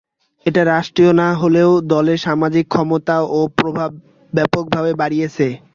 এটা রাষ্ট্রীয় না হলেও দলের সামাজিক ক্ষমতা ও প্রভাব ব্যাপকভাবে বাড়িয়েছে।